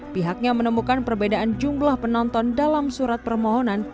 pihaknya menemukan perbedaan jumlah penonton dalam surat permohonan